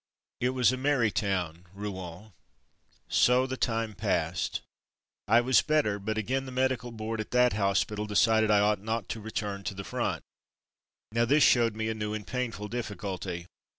It was a merry town — Rouen. So the time passed. I was better, but again the Medical Board at that hospital decided that I ought not to return to the front. Now this showed me a new and painful difficulty.